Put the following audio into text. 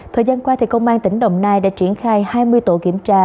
thời gian qua công an tỉnh đồng nai đã triển khai hai mươi tổ kiểm tra